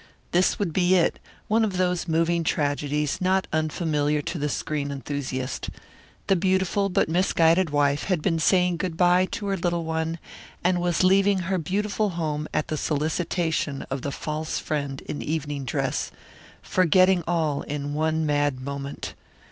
This would be it, one of those moving tragedies not unfamiliar to the screen enthusiast. The beautiful but misguided wife had been saying good by to her little one and was leaving her beautiful home at the solicitation of the false friend in evening dress forgetting all in one mad moment.